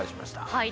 はい。